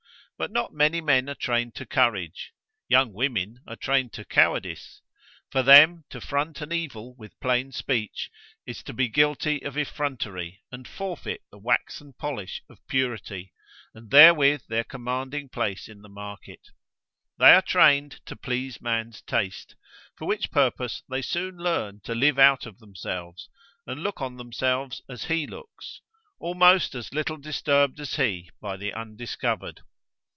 But not many men are trained to courage; young women are trained to cowardice. For them to front an evil with plain speech is to be guilty of effrontery and forfeit the waxen polish of purity, and therewith their commanding place in the market. They are trained to please man's taste, for which purpose they soon learn to live out of themselves, and look on themselves as he looks, almost as little disturbed as he by the undiscovered.